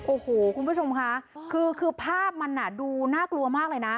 โอ้โหกุลบุทสุมคะคือคือภาพมันน่ะดูน่ากลัวมากเลยน่ะ